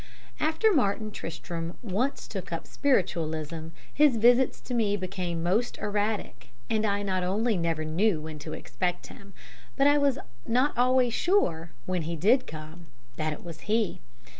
After Martin Tristram once took up spiritualism his visits to me became most erratic, and I not only never knew when to expect him, but I was not always sure, when he did come, that it was he.